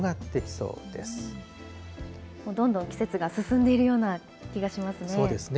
もうどんどん季節が進んでいるような気がしますね。